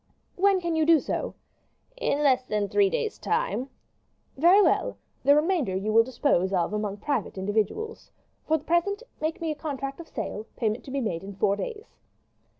"When can you do so?" "In less than three days' time." "Very well, the remainder you will dispose of among private individuals. For the present, make me out a contract of sale, payment to be made in four days."